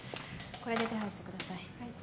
これで手配してください。